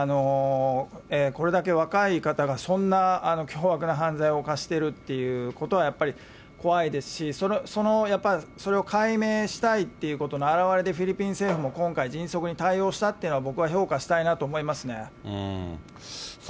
これだけ若い方がそんな凶悪な犯罪を犯してるということはやっぱり怖いですし、それを解明したいっていうことの表れでフィリピン政府も今回、迅速に対応したっていうのは、僕は評価したいなと思いますね。